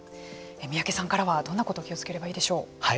三宅さんからはどんなことを気をつければいいでしょう？